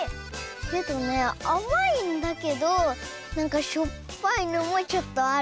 けどねあまいんだけどなんかしょっぱいのもちょっとある。